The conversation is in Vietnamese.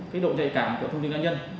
cái độ dày cảm của thông tin nạn nhân